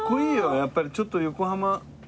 やっぱりちょっと横浜横須賀だ。